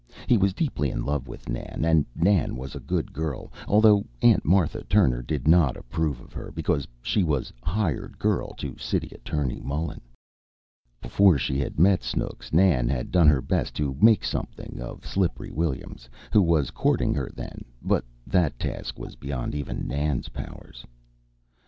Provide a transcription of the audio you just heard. He was deeply in love with Nan, and Nan was a good girl, although Aunt Martha Turner did not approve of her, because she was "hired girl" to City Attorney Mullen. Before she had met Snooks Nan had done her best to "make something" of "Slippery" Williams, who was courting her then, but that task was beyond even Nan's powers.